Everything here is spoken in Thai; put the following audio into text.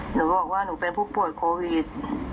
หนูบอกว่าหนูเป็นผู้ป่วยโควิด